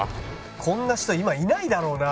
こんな人今いないだろうな。